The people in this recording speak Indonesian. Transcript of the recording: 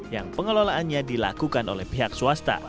yang pengelolaannya dilakukan oleh pihak swasta